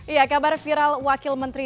iya kabar viral wakil menteri